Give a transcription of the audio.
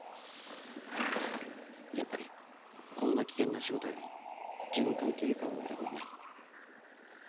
やっぱりこんな危険な仕事より循環器外科を選ぶよね